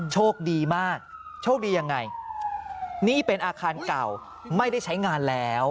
โชคดีมากโชคดียังไงนี่เป็นอาคารเก่าไม่ได้ใช้งานแล้ว